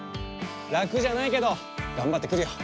ラクじゃないけどがんばってくるよ。